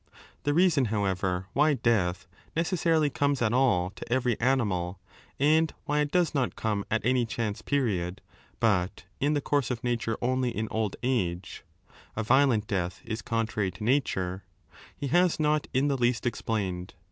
The reason, however, why death necessarily comes at all to every animal, and why it does not come at any chance period, but in the course of nature only in old age, — a violent death is contrary to nature, — he has not in the least explained.